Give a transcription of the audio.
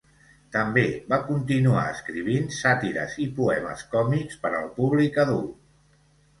També va continuar escrivint sàtires i poemes còmics per al públic adult.